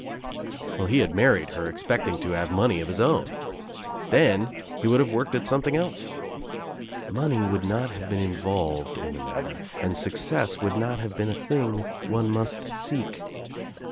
Well he had married her expecting to have money of his own. Then he would have worked at something else. Money would not have been involved in the matter and success would not have been a thing one must seek.